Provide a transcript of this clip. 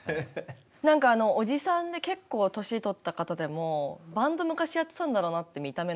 何かおじさんで結構年取った方でもバンド昔やってたんだろうなって見た目の方いるじゃないですか。